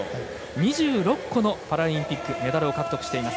２６個のパラリンピックメダルを獲得しています。